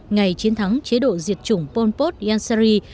ngày chiến thắng chế độ diệt chủng pol pot yanseri